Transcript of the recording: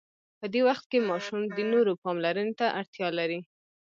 په دې وخت کې ماشوم د نورو پاملرنې ته اړتیا لري.